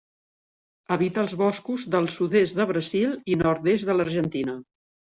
Habita els boscos del sud-est de Brasil i nord-est de l'Argentina.